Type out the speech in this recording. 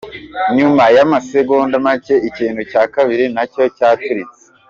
Nyuma y'amasegonda macye, ikintu cya kabiri nacyo cyaturitse.